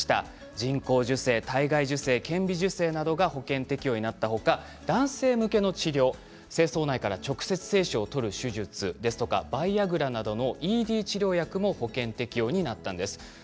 人工授精や体外受精、顕微授精が保険適用になった他男性向けの治療精巣内から直接精子を取る手術やバイアグラなどＥＤ治療薬も保険適用がされるようになったんです。